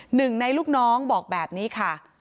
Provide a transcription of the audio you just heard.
หนึ่งในลูกน้องบอกแบบนี้ค่ะ